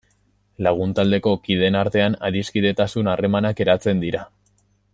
Lagun taldeko kideen artean adiskidetasun harremanak eratzen dira.